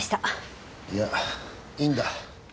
いやいいんだ。